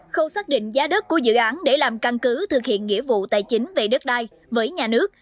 khâu xác định giá đất của dự án để làm căn cứ thực hiện nghĩa vụ tài chính về đất đai với nhà nước